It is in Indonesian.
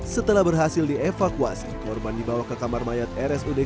setelah berhasil dievakuasi korban dibawa ke kamar mayat rsud